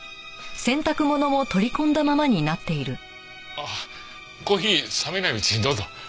あコーヒー冷めないうちにどうぞ。